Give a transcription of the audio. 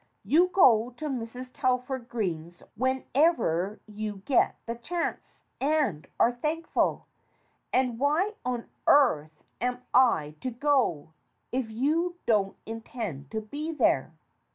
You go to Mrs. Talford Green's whenever you get the chance, and are thankful. And why on earth am I to go if you don't intend to be there?"